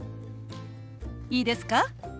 いいですか？